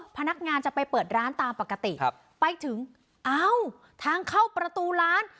พนักงานจะไปเปิดร้านตามปกติไปถึงเอ้าทางเข้าประตูร้าน